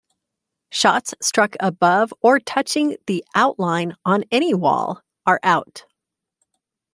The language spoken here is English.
Shots struck above or touching the out line, on any wall, are out.